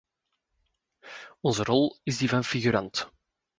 Onze rol is die van figurant.